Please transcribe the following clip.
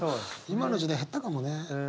今の時代減ったかもね。